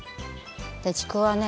ちくわね